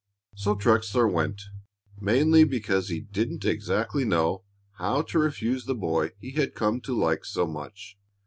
So Trexler went, mainly because he didn't exactly know how to refuse the boy he had come to like so much.